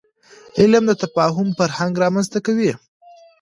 علم د تفاهم فرهنګ رامنځته کوي.